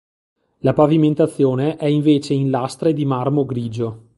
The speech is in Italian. La pavimentazione è invece in lastre di marmo grigio.